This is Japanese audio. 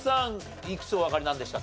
いくつおわかりなんでしたっけ？